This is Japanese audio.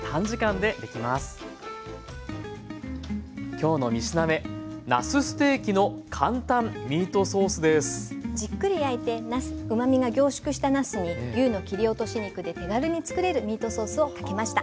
きょうの３品目じっくり焼いてうまみが凝縮したなすに牛の切り落とし肉で手軽に作れるミートソースをかけました。